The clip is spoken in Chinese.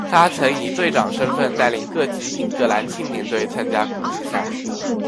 他曾以队长身份带领各级英格兰青年队参加国际赛。